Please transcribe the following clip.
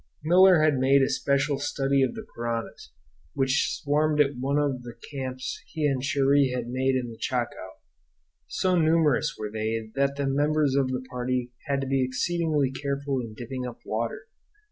Miller had made a special study of the piranhas, which swarmed at one of the camps he and Cherrie had made in the Chaco. So numerous were they that the members of the party had to be exceedingly careful in dipping up water.